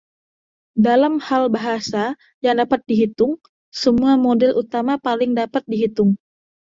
Dalam hal bahasa yang dapat dihitung, semua model utama paling dapat dihitung.